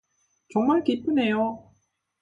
정말 기쁘네요.